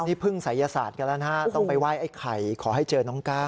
นี่พึ่งศัยศาสตร์กันแล้วนะฮะต้องไปไหว้ไอ้ไข่ขอให้เจอน้องก้าว